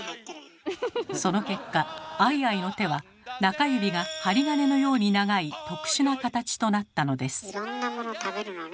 その結果アイアイの手は中指が針金のように長い特殊な形となったのです。